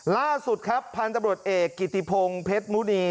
ล่าสุดครับพันธบริษัทเอกกิติพงเพชรมุนี